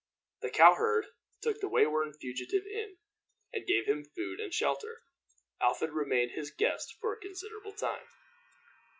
The cow herd took the wayworn fugitive in, and gave him food and shelter. Alfred remained his guest for a considerable time.